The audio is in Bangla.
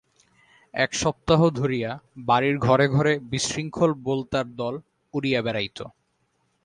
এক সপ্তাহ ধরিয়া বাড়ির ঘরে ঘরে বিশৃঙ্খল বোলতার দল উড়িয়া বেড়াইত।